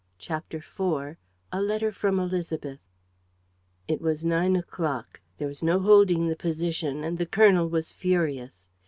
CHAPTER IV A LETTER FROM ÉLISABETH It was nine o'clock; there was no holding the position; and the colonel was furious.